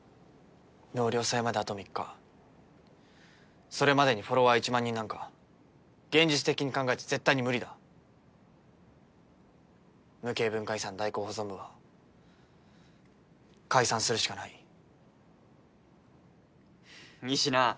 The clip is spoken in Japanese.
納涼祭まであと３日それまでにフォロワー１万人なんか現実的に考えて絶対に無理だ無形文化遺産代行保存部は解散するしかない仁科